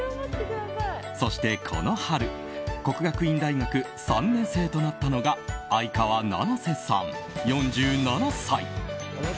そして、この春國學院大學３年生となったのが相川七瀬さん、４７歳。